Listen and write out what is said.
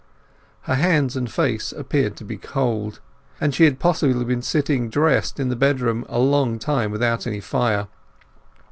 Her hands and face appeared to be cold, and she had possibly been sitting dressed in the bedroom a long time without any fire.